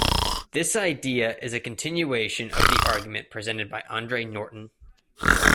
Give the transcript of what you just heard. This idea is a continuation of the argument presented by Andre Norton.